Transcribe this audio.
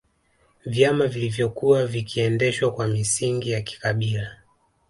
Vyama vilivyokuwa vikiendeshwa kwa misingi ya kikabila